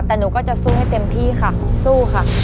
แต่หนูก็จะสู้ให้เต็มที่ค่ะสู้ค่ะ